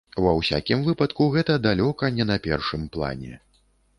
Ва ўсякім выпадку, гэта далёка не на першым плане.